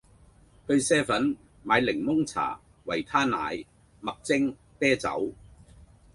去 Seven 買檸檬茶，維他奶，麥精，啤酒